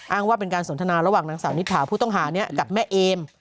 ว่าเป็นการสนทนาระหว่างนางสาวนิถาผู้ต้องหากับแม่เอม